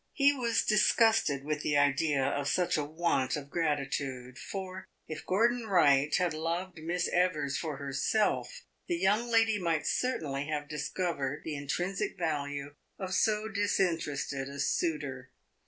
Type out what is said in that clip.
He was disgusted with the idea of such a want of gratitude; for, if Gordon Wright had loved Miss Evers for herself, the young lady might certainly have discovered the intrinsic value of so disinterested a suitor.